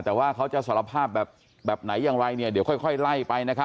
แต่ว่าเขาจะสารภาพแบบไหนอย่างไรเนี่ยเดี๋ยวค่อยไล่ไปนะครับ